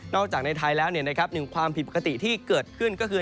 จากในไทยแล้วหนึ่งความผิดปกติที่เกิดขึ้นก็คือ